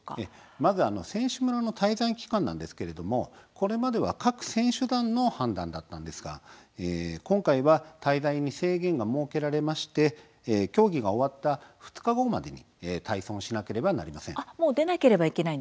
まず選手村の滞在期間なんですが、これまで各選手団の判断だったんですが今回は滞在に制限が設けられまして競技が終わった２日後までに退村しなければいけません。